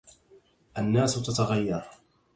الناس تتغير